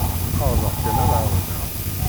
Ɛerḍeɣ kan ad ɛawneɣ.